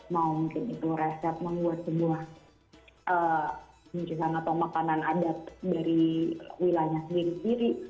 mau mungkin itu resep membuat sebuah jurusan atau makanan adat dari wilayahnya sendiri sendiri